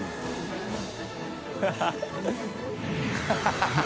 ハハハ